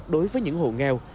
đối với những hồ nghèo